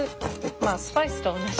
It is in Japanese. まあスパイスとおんなじ。